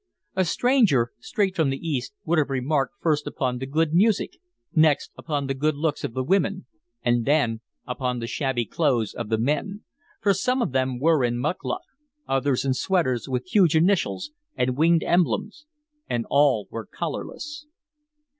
A stranger, straight from the East, would have remarked first upon the good music, next upon the good looks of the women, and then upon the shabby clothes of the men for some of them were in "mukluk," others in sweaters with huge initials and winged emblems, and all were collarless.